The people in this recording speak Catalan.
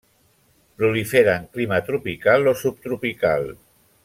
Prolifera en clima tropical o subtropical.